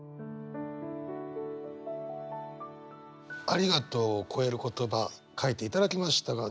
「ありがとう」を超える言葉書いていただきましたが。